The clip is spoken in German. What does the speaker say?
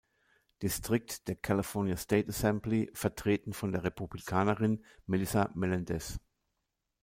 Distrikt der California State Assembly, vertreten von der Republikanerin Melissa Melendez.